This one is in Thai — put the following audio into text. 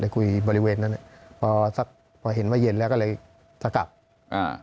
คุยบริเวณนั้นพอสักพอเห็นว่าเย็นแล้วก็เลยจะกลับอ่า